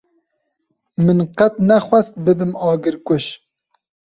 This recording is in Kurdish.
Min qet nexwest bibim agirkuj.